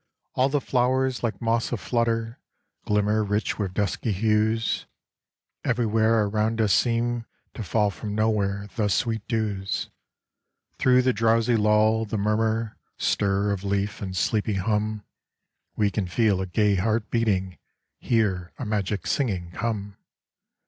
All the flowers like moths a flutter glimmer rich with dusky hues ; Everywhere around us seem to fall from nowhere the sweet dews. Through the drowsy lull, the murmur, stir of leaf and sleepy hum, We can feel a gay heart beating, hear a magic singing come.